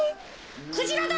クジラだ！